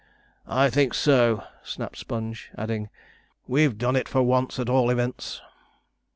'I think so,' snapped Sponge, adding, 'we've done it for once, at all events.'